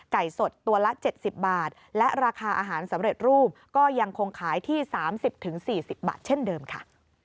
ไก่สดตัวละเจ็ดสิบบาทและราคาอาหารสำเร็จรูปก็ยังคงขายที่สามสิบถึงสี่สิบบาทเช่นเดิมค่ะ